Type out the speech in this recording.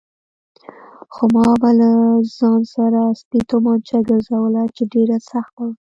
خو ما به له ځان سره اصلي تومانچه ګرځوله چې ډېره سخته وه.